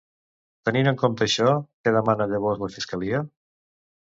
Tenint en compte això, què demana llavors la fiscalia?